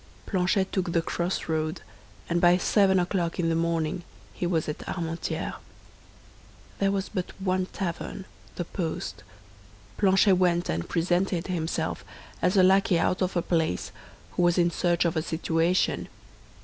Planchet took the crossroad, and by seven o'clock in the morning he was at Armentières. There was but one tavern, the Post. Planchet went and presented himself as a lackey out of a place, who was in search of a situation.